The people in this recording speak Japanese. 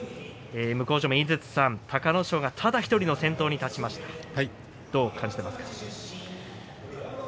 向正面、井筒さん隆の勝がただ１人の先頭に立ちました、どう感じていますか。